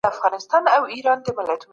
یا ئې سیمي تر خپلي حکمرانۍ لاندي نیولې.